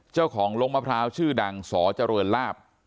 เจ้าของลงมะพร้าวชื่อดังสเจริญลาบ